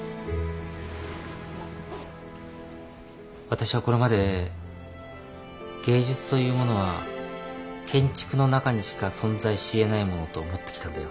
私はこれまで芸術というものは建築の中にしか存在しえないものと思ってきたんだよ。